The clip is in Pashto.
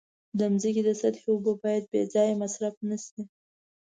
د ځمکې د سطحې اوبه باید بې ځایه مصرف نشي.